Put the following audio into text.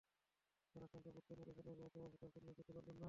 তাঁর আশঙ্কা, ভোটকেন্দ্র দখল হবে অথবা ভোটাররা কেন্দ্রেই যেতে পারবেন না।